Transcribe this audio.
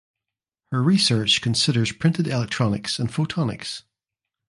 Her research considers printed electronics and photonics.